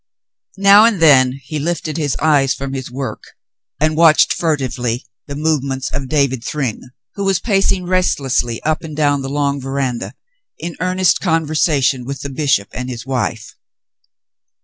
Xow and then he lifted his eyes from his work and watched furtively the movements of David Thryng, who was pacing restlessly up and down the long veranda in earnest conversation with the bishop and his wife.